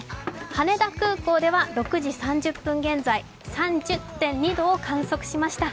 羽田空港では６時３０分現在、３０．２度を観測しました。